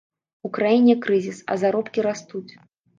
У краіне крызіс, а заробкі растуць.